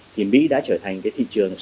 thì mỹ đã trở thành thị trường xuất khẩu